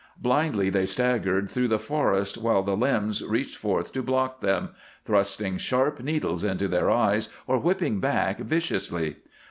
Blindly they staggered through the forest while the limbs reached forth to block them, thrusting sharp needles into their eyes or whipping back viciously.